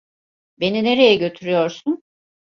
Beni nereye götürüyorsun?